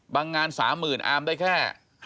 บางงาน๓๐๐๐๐อามได้แค่๕๐๐๐